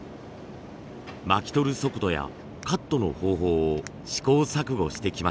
巻き取る速度やカットの方法を試行錯誤してきました。